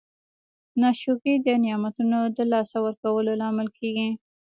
ناشکري د نعمتونو د لاسه ورکولو لامل کیږي.